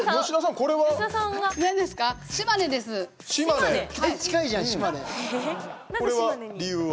これは理由は？